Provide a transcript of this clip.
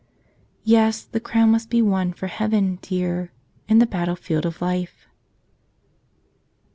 Yes; the crown must be won for heaven, dear, in the battlefield of life !